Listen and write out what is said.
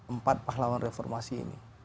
empat pahlawan reformasi ini